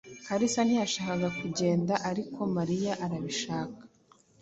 Kalisa ntiyashakaga kugenda, ariko Mariya arabishaka.